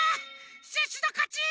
シュッシュのかち！